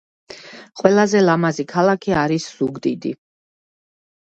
ყველაზე ლამაზი ქალაქი არის ზუგდიდი